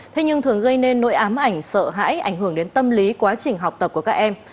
thế nhưng thường gây nên nỗi ám ảnh sợ hãi ảnh hưởng đến tâm lý quá trình học tập của các em